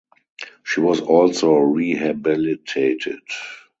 She was also rehabilitated.